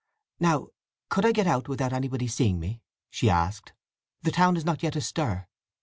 "Now could I get out without anybody seeing me?" she asked. "The town is not yet astir."